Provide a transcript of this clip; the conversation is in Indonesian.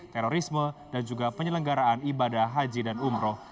terorisme dan juga penyelenggaraan ibadah haji dan umroh